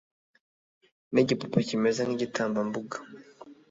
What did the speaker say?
n'igipupe kimeze nkigitambambuga.